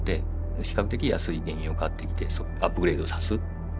比較的安い原油を買ってきてアップグレードさす。